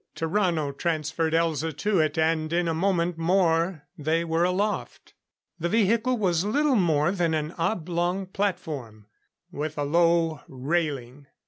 Tarrano transferred Elza to it, and in a moment more they were aloft. The vehicle was little more than an oblong platform, with a low railing.